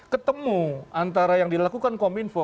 ketemu antara yang dilakukan kominfo